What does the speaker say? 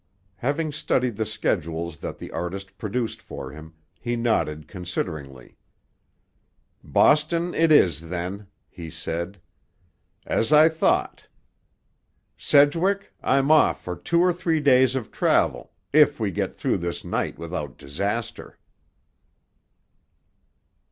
Having studied the schedules that the artist produced for him, he nodded consideringly. "Boston it is, then," he said. "As I thought. Sedgwick, I'm off for two or three days of travel—if we get through this night without disaster."